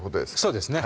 そうですね